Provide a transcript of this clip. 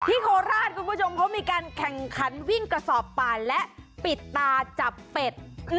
โคราชคุณผู้ชมเขามีการแข่งขันวิ่งกระสอบป่าและปิดตาจับเป็ด